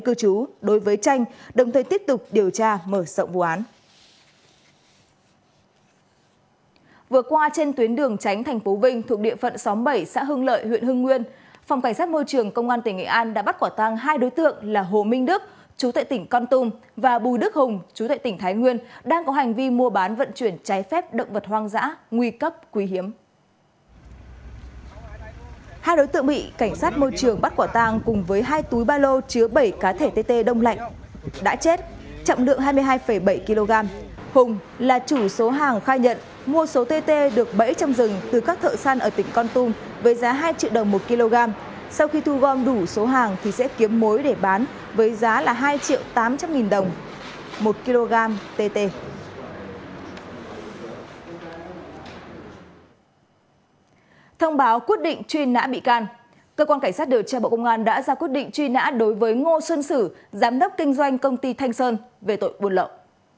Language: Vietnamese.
cơ quan cảnh sát điều tra bộ công an đã ra quyết định truy nã đối với ngô xuân sử giám đốc kinh doanh công ty thanh sơn về tội buôn lợn